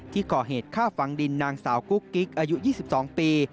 ที่ก่อเหตุฆ่าฝังดินนางสาวกุ๊กกิ๊กอายุ๒๒ปี